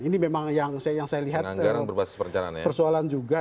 ini memang yang saya lihat persoalan juga